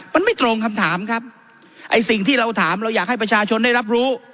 มันไม่ตรงคำถามครับไอ้สิ่งที่เราถามเราอยากให้ประชาชนได้รับรู้